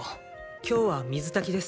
今日は水炊きです。